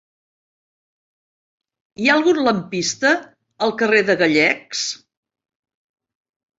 Hi ha algun lampista al carrer de Gallecs?